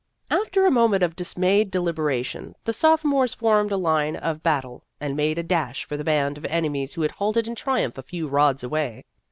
After a moment of dismayed delibera tion, the sophomores formed a line of bat tle, and made a dash for the band of enemies who had halted in triumph a few rods away.